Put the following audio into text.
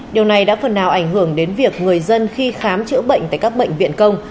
điều này đã phần nào ảnh hưởng đến việc người dân khi khám chữa bệnh tại các bệnh viện công